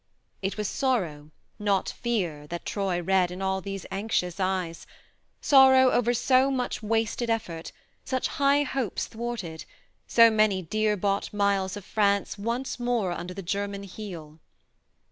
It was sorrow, not fear, that Troy read in ah 1 those anxious eyes sorrow over so much wasted effort, such high hopes thwarted, so many dear bought miles of France once more under the German heel.